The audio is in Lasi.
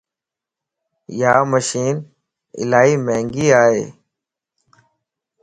يا مشين الائي مھنگي ائي